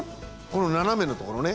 この斜めのところね。